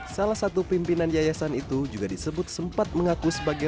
salah satu pimpinan yayasan itu juga disebut sempat mengaku sebagai